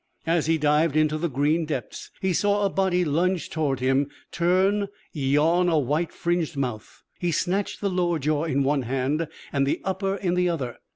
As he dived into the green depths, he saw a body lunge toward him, turn, yawn a white fringed mouth. He snatched the lower jaw in one hand, and the upper in the other.